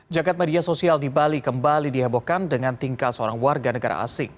jagad media sosial di bali kembali dihebohkan dengan tingkah seorang warga negara asing